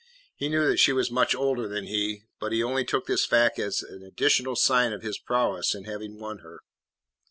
He knew that she was much older than he, but he only took this fact as an additional sign of his prowess in having won her.